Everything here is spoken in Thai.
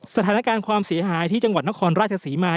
สถานการณ์ความเสียหายที่จังหวัดนครราชศรีมา